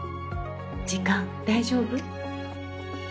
時間大丈夫？